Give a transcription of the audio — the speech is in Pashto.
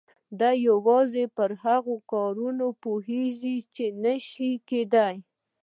دی يوازې پر هغو کارونو پوهېږي چې نه شي کېدای.